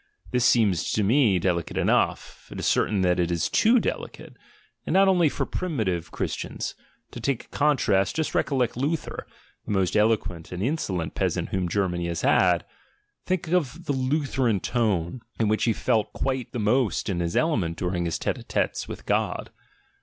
This seems to me delicate enough, it is certain that it is too delicate, and not only for primitive Christians; to take a contrast, just recollect Luther, the most "eloquent" and insolent peasant whom Germany has had, think of the Lutherian tone, in which he felt quite the most in his element during his a titcs with God.